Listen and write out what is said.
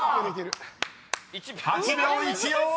［８秒１４！］